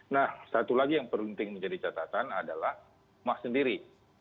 nah satu lagi yang perlu penting menjadi catatan adalah rumah sendiri